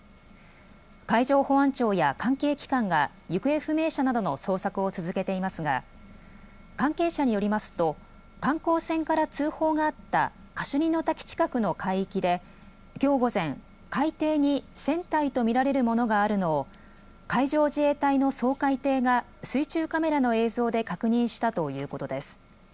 海上保安庁や関係機関が行方不明者などの捜索を続けていますが関係者によりますと観光船から通報があったカシュニの滝近くの海域できょう午前、海底に船体と見られるものがあるのを海上自衛隊の掃海艇が水中カメラの映像で確認したということです。